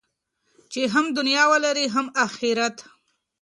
چې هم دنیا ولرئ هم اخرت.